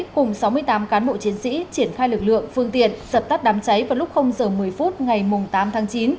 cùng sáu mươi tám cán bộ chiến sĩ triển khai lực lượng phương tiện dập tắt đám cháy vào lúc giờ một mươi phút ngày tám tháng chín